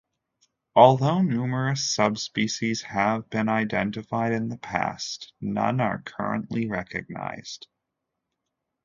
Although numerous subspecies have been identified in the past, none are currently recognised.